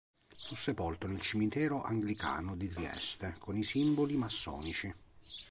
Fu sepolto nel cimitero anglicano di Trieste con i simboli massonici.